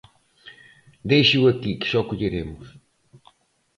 Déixeo aquí, que xa o colleremos.